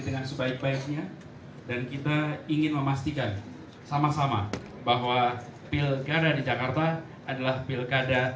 dengan sebaik baiknya dan kita ingin memastikan sama sama bahwa pilkada di jakarta adalah pilkada